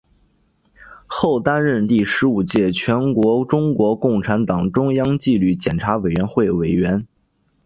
后担任第十五届全国中国共产党中央纪律检查委员会委员。